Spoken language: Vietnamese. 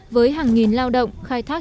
với hàng nghìn lao động khai thác